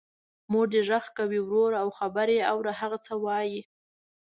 مور دی غږ کوې وروره او خبر یې اوره هغه څه وايي.